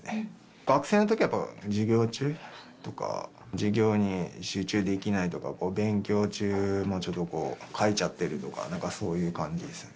学生のときはやっぱり授業中とか、授業に集中できないとか、勉強中もちょっとこう、かいちゃってるとか、なんかそういう感じですよね。